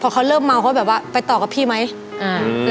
เขาเริ่มเมาเขาแบบว่าไปต่อกับพี่ไหม